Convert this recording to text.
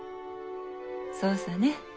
そうさね。